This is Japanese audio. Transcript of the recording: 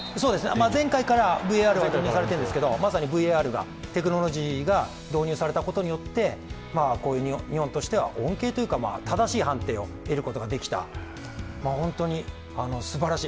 前回からＶＡＲは導入されているんですけれども、まさにＶＡＲが、テクノロジーが導入されたことによって日本としては、恩恵というか、正しい判定を得ることができた、本当にすばらしい。